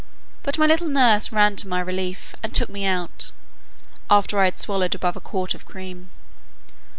But my little nurse ran to my relief, and took me out, after I had swallowed above a quart of cream.